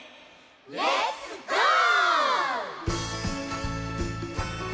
レッツゴー！